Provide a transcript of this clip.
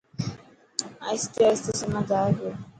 آهستي آهستي سمجهه آئي پيو.